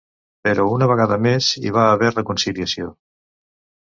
Però una vegada més hi va haver reconciliació.